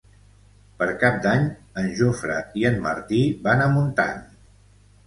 Per Cap d'Any en Jofre i en Martí van a Montant.